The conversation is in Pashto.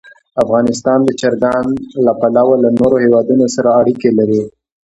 افغانستان د چرګان له پلوه له نورو هېوادونو سره اړیکې لري.